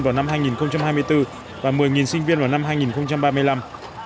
vào năm hai nghìn hai mươi bốn và một mươi sinh viên vào năm hai nghìn ba mươi năm